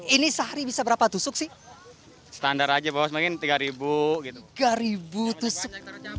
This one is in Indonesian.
ini sehari bisa berapa tusuk sih standar aja bahwa mungkin tiga ribu gitu garibu tusuk